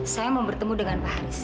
saya mau bertemu dengan pak haris